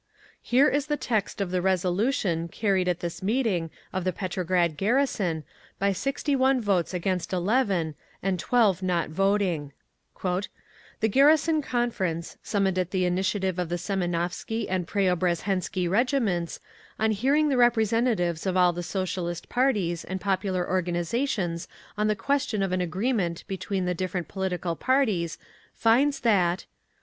Here is the text of the resolution carried at this meeting of the Petrograd garrison, by 61 votes against 11, and 12 not voting: "The garrison conference, summoned at the initiative of the Semionovsky and Preobrazhensky Regiments, on hearing the representatives of all the Socialist parties and popular organisations on the question of an agreement between the different political parties finds that: "1.